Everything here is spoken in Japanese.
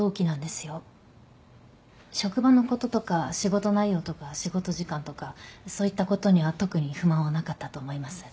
職場のこととか仕事内容とか仕事時間とかそういったことには特に不満はなかったと思います。